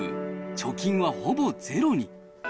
貯金はほぼゼロに。